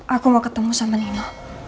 aku mau ketemu sama nino